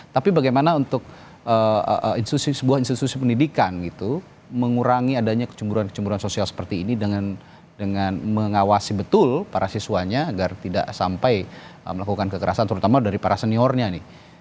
tapi bagaimana untuk sebuah institusi pendidikan mengurangi adanya kecemburuan kecemburan sosial seperti ini dengan mengawasi betul para siswanya agar tidak sampai melakukan kekerasan terutama dari para seniornya nih